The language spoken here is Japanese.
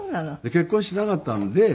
結婚してなかったんで。